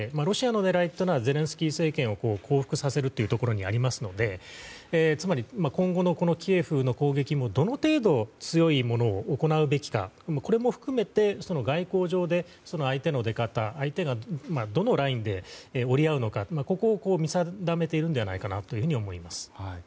ロシアの狙いというのはゼレンスキー政権を降伏させるというところにありますのでつまり、今後のキエフへの攻撃もどの程度強いものを行うべきかも含めて外交上で相手の出方相手がどのラインで折り合うのかを見定めているんじゃないかと思います。